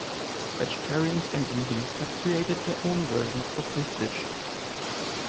Vegetarians and vegans have created their own versions of this dish.